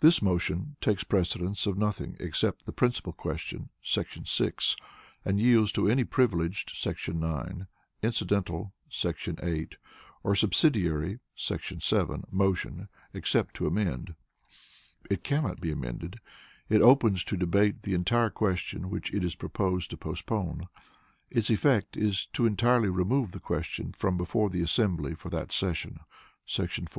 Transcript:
This motion takes precedence of nothing except the Principal Question [§ 6], and yields to any Privileged [§ 9], Incidental [§ 8] or Subsidiary [§ 7] Motion, except to Amend. It cannot be amended; it opens to debate the entire question which it is proposed to postpone. Its effect is to entirely remove the question from before the assembly for that session [§ 42].